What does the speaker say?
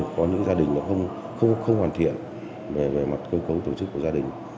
có những gia đình không hoàn thiện về mặt công công tổ chức của gia đình